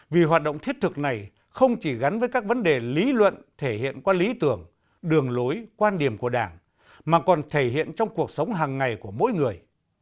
vì hoạt động thiết thực này không chỉ gắn với các vấn đề lý luận thể hiện qua lý tưởng đường lối quan điểm của đảng mà còn thể hiện trong cuộc sống hàng ngày của mỗi người